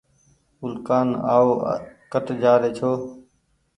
اُولڪآن آئو ڪٺ جآ رهي ڇو